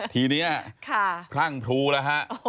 ทีนี้พรั่งพลูแล้วฮะ